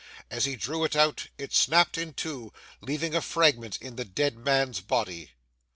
As he drew it out it snapped in two, leaving a fragment in the dead man's body.